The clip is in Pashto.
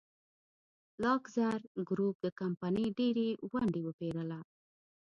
لاکزر ګروپ د کمپنۍ ډېرې ونډې وپېرله.